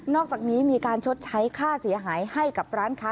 อกจากนี้มีการชดใช้ค่าเสียหายให้กับร้านค้า